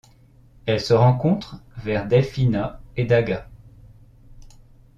Elle se rencontre vers Delfina et Dagua.